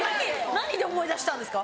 何で思い出したんですか？